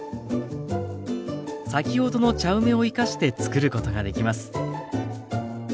先ほどの茶梅を生かしてつくることができます。